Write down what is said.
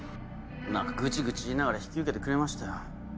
何かグチグチ言いながら引き受けてくれましたよ。